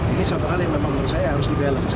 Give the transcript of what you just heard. ini suatu hal yang memang menurut saya harus dijalankan